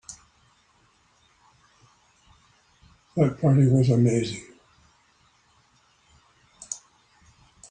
That party was amazing.